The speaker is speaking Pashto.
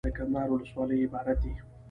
دکندهار ولسوالۍ عبارت دي.